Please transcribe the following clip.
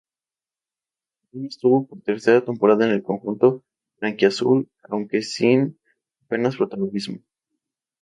Aún estuvo una tercera temporada en el conjunto blanquiazul, aunque sin apenas protagonismo.